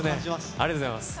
ありがとうございます。